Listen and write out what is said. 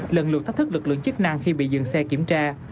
lần lượt thách thức lực lượng chức năng khi bị dừng xe kiểm tra